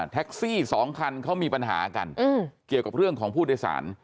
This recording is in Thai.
สองคันเขามีปัญหากันเกี่ยวกับเรื่องของผู้โดยสาร